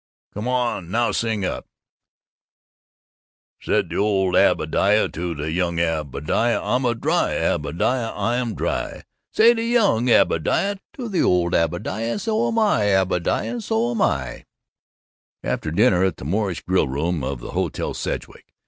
Come on now sing up: Said the old Obadiah to the young Obadiah, 'I am dry, Obadiah, I am dry.' Said the young Obadiah to the old Obadiah, 'So am I, Obadiah, so am I.'" X They had dinner in the Moorish Grillroom of the Hotel Sedgwick.